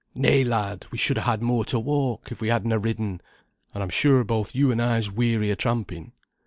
"'Nay, lad! We should ha' had more to walk, if we had na ridden, and I'm sure both you and I'se weary o' tramping.'